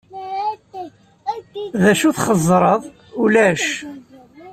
D acu txeẓẓreḍ?" "Ulac.